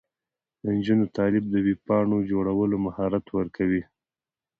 د نجونو تعلیم د ویب پاڼو جوړولو مهارت ورکوي.